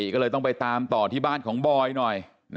ก็เลยต้องไปตามต่อที่บ้านของบอยหน่อย